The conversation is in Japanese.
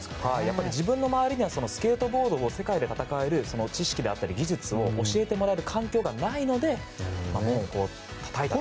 自分の周りにはスケートボードを世界で戦える知識であったり、技術を教えてもらえる環境がないので笹岡家の門をたたいたと。